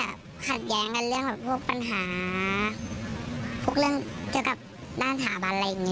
อัศวินตรีอัศวินตรีอัศวินตรี